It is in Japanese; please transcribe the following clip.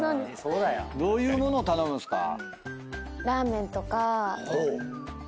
どういう物を頼むんすか？